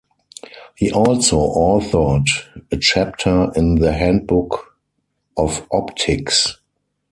He also authored a chapter in the Handbook of Optics.